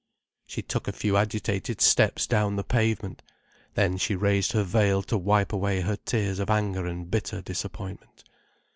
She took a few agitated steps down the pavement. Then she raised her veil to wipe away her tears of anger and bitter disappointment.